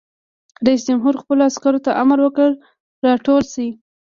رئیس جمهور خپلو عسکرو ته امر وکړ؛ راټول شئ!